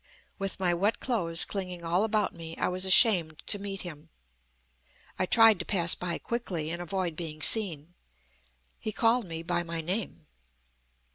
With my wet clothes clinging all about me I was ashamed to meet him. I tried to pass by quickly, and avoid being seen. He called me by my name.